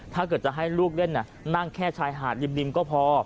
ถ้าเกิดจะให้ลูกเล่นนั่งแค่ชายหาดริมก็พอ